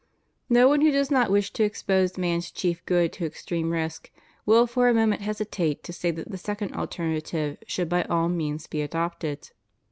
No one who does not wish to expose man's chief good to extreme risk will for a moment hesitate to say that the second alternative should by all means be adopted.